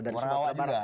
orang awal juga